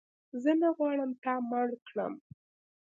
زه نه غواړم تا مړ کړم